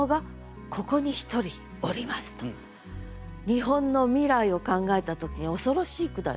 日本の未来を考えた時に恐ろしい句だよ。